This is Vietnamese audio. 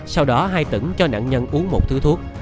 sau đó hai tửng cho nạn nhân uống một thứ thuốc